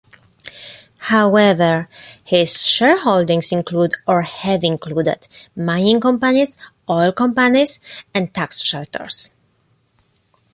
However, his shareholdings include, or have included, mining companies, oil companies and tax shelters.